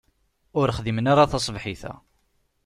Ur xdimen ara taṣebḥit-a.